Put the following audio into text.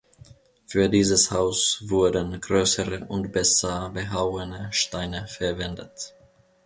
Für dieses Haus wurden größere und besser behauene Steine verwendet.